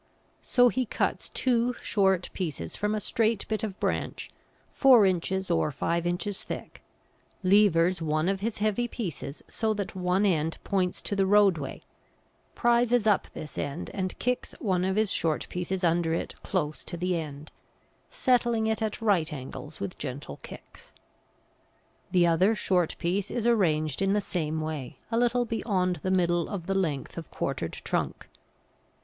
So he cuts two short pieces from a straight bit of branch four inches or five inches thick, levers one of his heavy pieces so that one end points to the roadway, prises up this end and kicks one of his short pieces under it close to the end, settling it at right angles with gentle kicks. The other short piece is arranged in the same way, a little way beyond the middle of the length of quartered trunk.